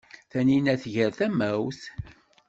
Taninna tger tamawt.